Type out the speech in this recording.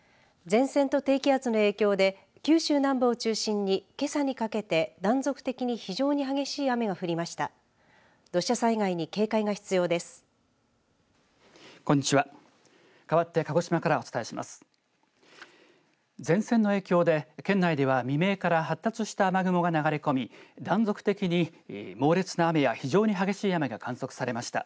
前線と低気圧の影響で九州南部を中心に、けさにかけて断続的に非常に激しい雨が降りました。